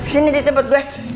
sini di tempat gue